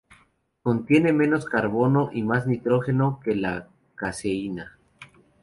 Contiene menos carbono y más nitrógeno que la caseína.